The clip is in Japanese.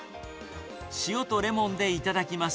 塩とレモンで頂きます。